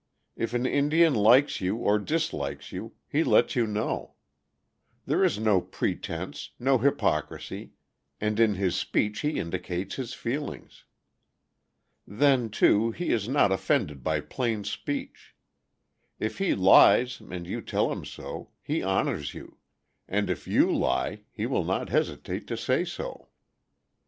If an Indian likes you or dislikes you, he lets you know. There is no pretense, no hypocrisy, and in his speech he indicates his feelings. Then, too, he is not offended by plain speech. If he lies and you tell him so, he honors you; and if you lie, he will not hesitate to say so.